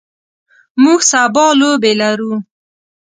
موږ سبا لوبې لرو.